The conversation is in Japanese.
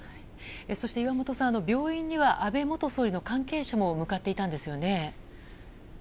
そして岩本さん、病院には安倍元総理の関係者も向かっていたんですよね。